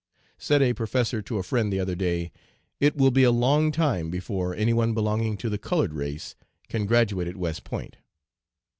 Said a professor to a friend, the other day: "It will be a long time before any one belonging to the colored race can graduate at West Point."'